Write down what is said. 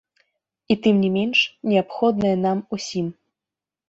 І тым не менш неабходнае нам усім.